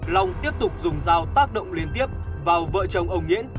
lòng tiếp tục dùng dao tác động liên tiếp vào vợ chồng ông nghĩễn